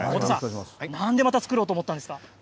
なんでまた、作ろうと思ったんですか。